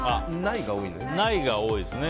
ないが多いですね。